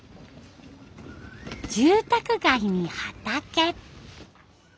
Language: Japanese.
住宅街に畑。